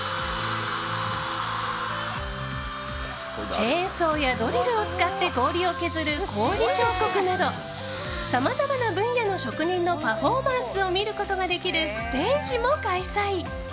チェーンソーやドリルを使って氷を削る氷彫刻などさまざまな分野の職人のパフォーマンスを見ることができるステージも開催。